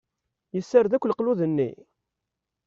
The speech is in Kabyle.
Yessared akk leqlud-nni?